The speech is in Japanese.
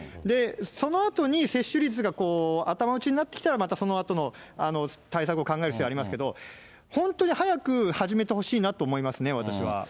そのあとに接種率が頭打ちになってきたら、またそのあとの対策を考える必要ありますけれども、本当に早く始めてほしいなと思いますね、私は。